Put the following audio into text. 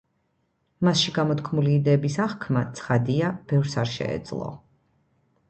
მასში გამოთქმული იდეების აღქმა, ცხადია, ბევრს არ შეეძლო.